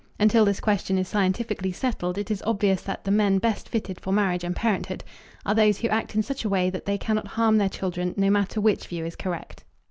Until this question is scientifically settled it is obvious that the men best fitted for marriage and parenthood are those who act in such a way that they cannot harm their children no matter which view is correct.